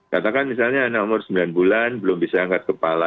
katakan misalnya anak umur sembilan bulan belum bisa angkat kepala